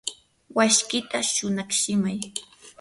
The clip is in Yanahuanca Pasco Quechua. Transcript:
washkita shunatsimay.